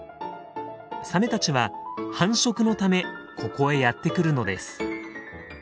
サメたちは繁殖のためここへやって来るのです。